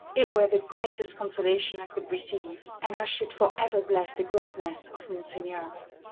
It were the greatest consolation I could receive; and I should for ever bless the greatness of Monseigneur."